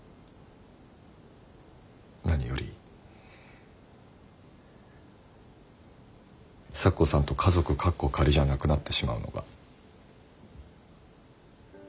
何より咲子さんと家族カッコ仮じゃなくなってしまうのが。